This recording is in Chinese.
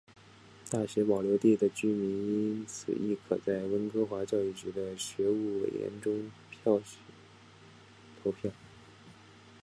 大学保留地的居民因此亦可在温哥华教育局的学务委员选举中投票。